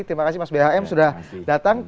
terima kasih mas bhm sudah datang